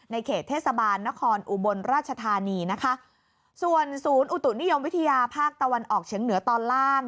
เขตเทศบาลนครอุบลราชธานีนะคะส่วนศูนย์อุตุนิยมวิทยาภาคตะวันออกเฉียงเหนือตอนล่าง